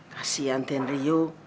kasian dan rio